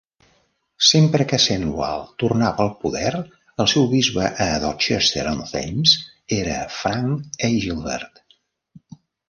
Sempre que Cenwalh tornava al poder, el seu bisbe a Dorchester-on-Thames era Frank Agilbert.